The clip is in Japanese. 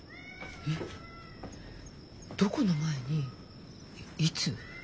どこの前にいつ？